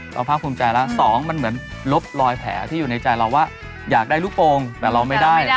ภาคภูมิใจแล้วสองมันเหมือนลบรอยแผลที่อยู่ในใจเราว่าอยากได้ลูกโปรงแต่เราไม่ได้